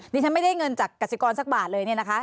ดิฉันไม่ได้เงินจากกสิกรสักบาทเลยเนี่ยนะคะ